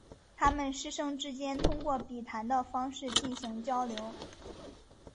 他们师生之间通过笔谈的方式进行交流。